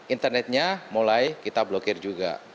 internetnya mulai kita blokir juga